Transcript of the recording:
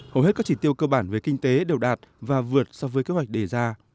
hầu hết các chỉ tiêu cơ bản về kinh tế đều đạt và vượt so với kế hoạch đề ra